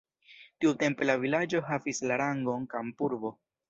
Tiutempe la vilaĝo havis la rangon kampurbo.